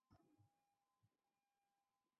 এটা শুধু নশ্বর মৃত্যু।